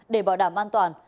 để bảo đảm an toàn